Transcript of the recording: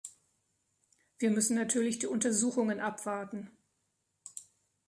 Wir müssen natürlich die Untersuchungen abwarten.